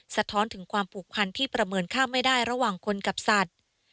สะท้อนถึงความผูกพันที่ประเมินค่าไม่ได้ระหว่างคนกับสัตว์